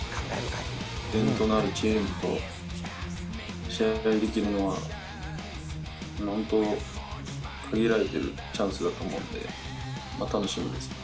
伝統のあるチームと試合ができるのは、本当限られているチャンスだと思うんで、楽しみです。